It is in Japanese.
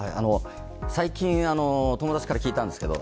最近、友達から聞いたんですけど。